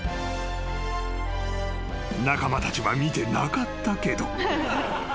［仲間たちは見てなかったけど］